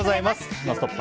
「ノンストップ！」